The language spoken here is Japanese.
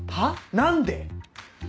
「何で」？